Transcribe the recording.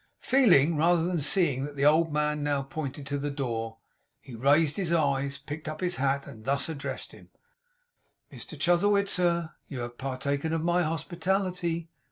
Feeling, rather than seeing, that the old man now pointed to the door, he raised his eyes, picked up his hat, and thus addressed him: 'Mr Chuzzlewit, sir! you have partaken of my hospitality.